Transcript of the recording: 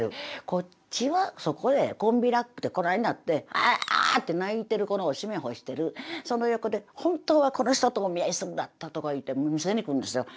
こっちはそこでコンビラックでこないなって「ああ」って泣いてる子のおしめ干してるその横で本当はこの人とお見合いするんだったとか言うて見せに来るんですよ。